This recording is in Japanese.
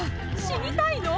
死にたいの？